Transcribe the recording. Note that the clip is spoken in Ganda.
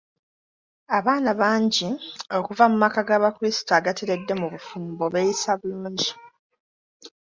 Abaana bangi okuva mu maka ga bakrisito agateredde mu bufumbo beeyisa bulungi.